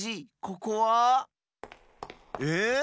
ここは？え？